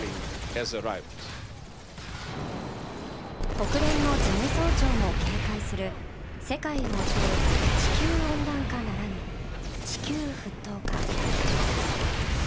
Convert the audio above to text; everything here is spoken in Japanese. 国連の事務総長も警戒する世界を襲う地球温暖化ならぬ地球沸騰化。